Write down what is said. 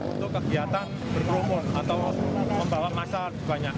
untuk kegiatan berkerumun atau membawa masa banyak